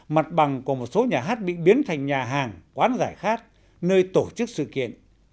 mặt bằng của một số nhà hát bị biến thành nhà hàng quán giải khác nơi tổ chức sự kiện